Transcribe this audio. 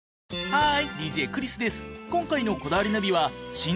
はい。